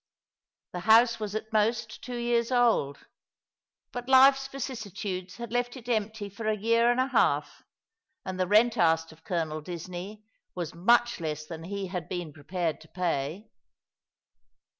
The house was at most two years old ; but life's vicissitudes had left it empty for a year and a half, and the rent asked of Colonel Disney was much less than he had been prepared to pay.